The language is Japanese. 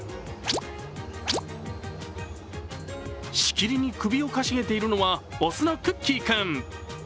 しきりに首をかしげているのは雄のクッキー君。